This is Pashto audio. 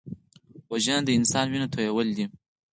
وژنه د انسان وینه تویول دي